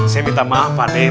saya minta maaf pak nek